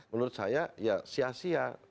menurut saya ya sia sia